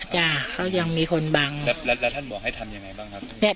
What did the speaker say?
จ้ะเขายังมีคนบังแล้วแล้วท่านบอกให้ทำยังไงบ้างครับ